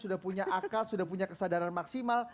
sudah punya akal sudah punya kesadaran maksimal